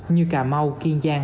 như cà mau kiên giang